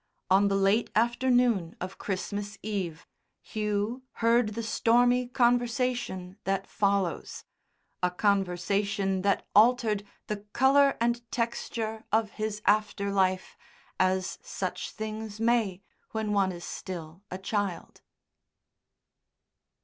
On the late afternoon of Christmas Eve, Hugh heard the stormy conversation that follows a conversation that altered the colour and texture of his after life as such things may, when one is still a child.